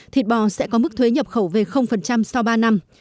thịt bò sẽ có mức thuế nhập khẩu về sau ba năm